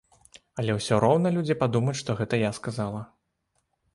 Але ўсё роўна людзі падумаюць, што гэта я сказала.